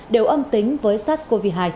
đều âm tính với sars cov hai